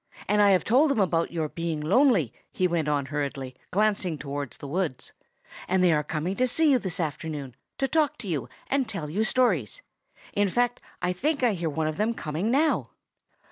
And I have told them about your being lonely," he went on hurriedly, glancing towards the wood, "and they are coming to see you this afternoon, to talk to you and tell you stories. In fact, I think I hear one of them coming now."